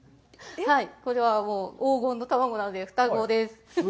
それはもう黄金の卵なので、双子です。